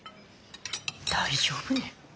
大丈夫ね？